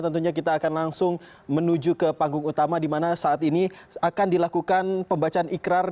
tentunya kita akan langsung menuju ke panggung utama di mana saat ini akan dilakukan pembacaan ikrar